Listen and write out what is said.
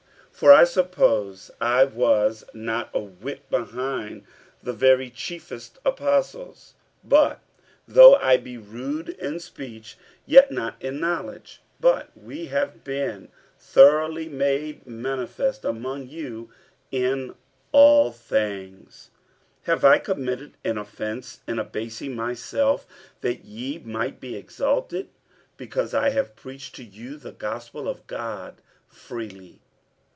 47:011:005 For I suppose I was not a whit behind the very chiefest apostles. 47:011:006 But though I be rude in speech, yet not in knowledge; but we have been throughly made manifest among you in all things. 47:011:007 Have I committed an offence in abasing myself that ye might be exalted, because I have preached to you the gospel of God freely?